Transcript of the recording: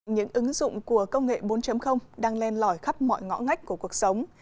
những ứng dụng của công nghệ bốn đang len lỏi khắp mọi ngõ ngách của cuộc sống